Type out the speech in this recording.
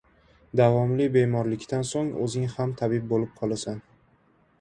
• Davomli bemorlikdan so‘ng o‘zing ham tabib bo‘lib qolasan.